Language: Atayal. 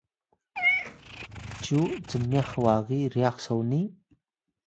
cyu cmyax wagi ryax soni?